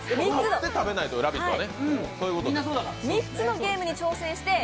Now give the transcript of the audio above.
勝って食べないとね、「ラヴィット！」は。